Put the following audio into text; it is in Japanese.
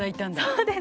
そうです。